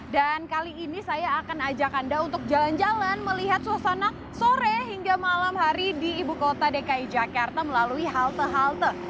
dan kali ini saya akan ajak anda untuk jalan jalan melihat suasana sore hingga malam hari di ibu kota dki jakarta melalui halte halte